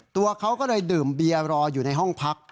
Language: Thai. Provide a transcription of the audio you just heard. ตัวเขาก็เลยดื่มเบียร์รออยู่ในห้องพัก